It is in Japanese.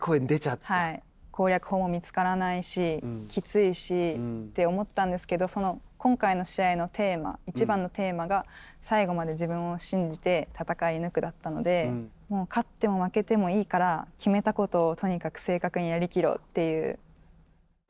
攻略法も見つからないしきついし、って思ったんですけどその今回の試合のテーマいちばんのテーマが最後まで自分を信じて戦い抜くだったのでもう勝っても負けてもいいから、決めたことをとにかく正確にやりきろうという。